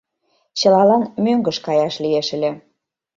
Чылалан мӧҥгыш каяш лиеш ыле.